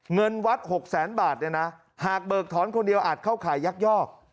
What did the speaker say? เงินวัด๖แสนบาทเนี่ยนะหากเบิกถอนคนเดียวอาจเข้าขายยักยอก